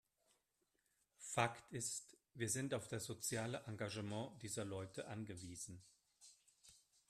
Fakt ist, wir sind auf das soziale Engagement dieser Leute angewiesen.